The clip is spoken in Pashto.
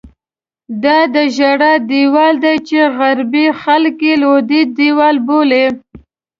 دا د ژړا دیوال دی چې غربي خلک یې لوېدیځ دیوال بولي.